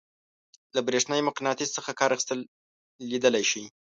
له برېښنايي مقناطیس څخه کار اخیستل لیدلی شئ.